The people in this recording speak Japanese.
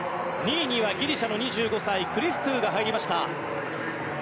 ２位にはギリシャの２５歳クリストゥが入りました。